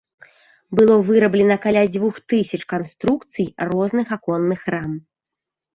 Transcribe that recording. Было выраблена каля дзвюх тысяч канструкцый розных аконных рам.